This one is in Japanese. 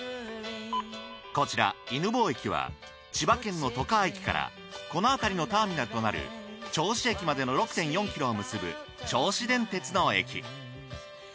こちら犬吠駅は千葉県の外川駅からこのあたりのターミナルとなる銚子駅までの６．４ｋｍを結ぶ銚子電鉄の駅。